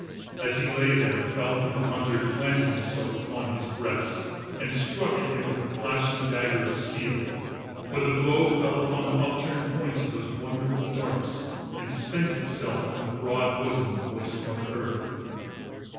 As he lay there Falcon the Hunter planted himself upon his breast and struck at him with a flashing dagger of steel. But the blow fell upon the upturned points of those wonderful darts and spent itself on the broad bosom of moist Mother Earth.